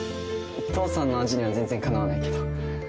父さんの味には全然かなわないけど。